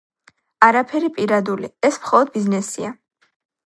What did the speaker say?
არაფერი პირადული, ეს მხოლოდ ბიზნესია.